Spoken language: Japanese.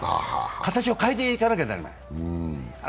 形を変えていかなきゃならない。